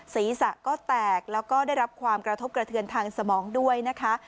ศีรษะก็แตกแล้วก็ได้รับความกระทบกระเทือนทางสมองด้วยนะคะ